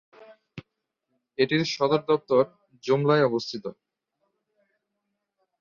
এটির সদরদপ্তর জুমলায় অবস্থিত।